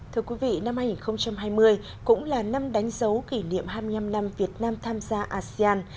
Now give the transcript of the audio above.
thưa quý vị năm hai nghìn hai mươi cũng là năm đánh dấu kỷ niệm hai mươi năm năm việt nam tham gia asean